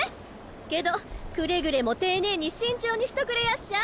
けどくれぐれも丁寧に慎重にしとくれやっしゃ！